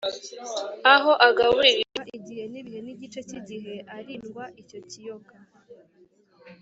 aho agaburirirwa igihe n’ibihe n’igice cy’igihe, arindwa icyo kiyoka